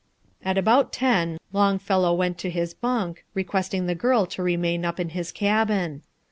At about ten Longfellow went to his bunk, requesting the girl to remain up in his cabin.